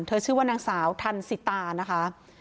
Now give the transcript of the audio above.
ชื่อว่านางสาวทันสิตานะคะ